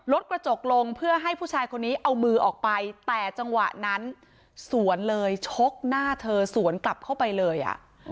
กระจกลงเพื่อให้ผู้ชายคนนี้เอามือออกไปแต่จังหวะนั้นสวนเลยชกหน้าเธอสวนกลับเข้าไปเลยอ่ะ